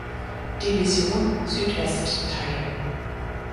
Division Südwest teil.